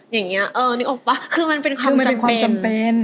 อย่างนี้เออนึกออกป่ะคือมันเป็นความจำเป็น